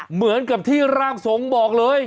เหมือนกับที่ร่างทรงบอกเลย